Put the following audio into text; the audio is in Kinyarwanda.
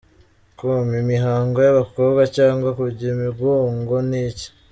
com: Imihango y’abakobwa cyangwa kujya imugongo ni iki?.